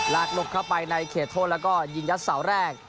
หลบเข้าไปในเขตโทษแล้วก็ยิงยัดเสาแรก